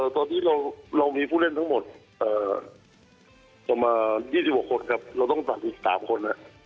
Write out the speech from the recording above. ตอนนี้เรามีผู้เล่นทั้งหมดประมาณ๒๖คนครับเราต้องตัดอีก๓คน